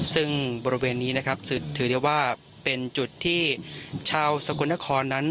ซึ่งบริเวณนี้นะครับถือได้ว่าเป็นจุดที่ชาวสกลนครนั้น